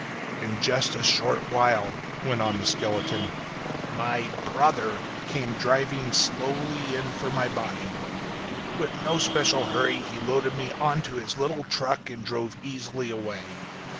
"In just a short while," went on the skeleton, "my 'brother' came driving slowly in for my body. With no special hurry he loaded me onto his little truck and drove easily away.